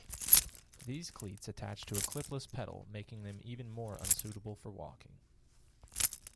These cleats attach to a clipless pedal making them even more unsuitable for walking.